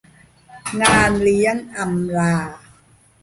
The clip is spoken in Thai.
งานเลี้ยงอำลา